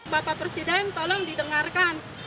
bapak presiden tolong didengarkan